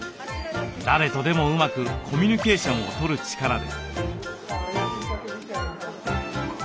誰とでもうまくコミュニケーションをとる力です。